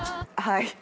はい。